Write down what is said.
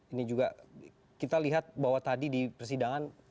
ini juga kita lihat bahwa tadi di persidangan